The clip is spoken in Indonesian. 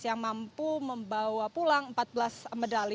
yang mampu membawa pulang empat belas medali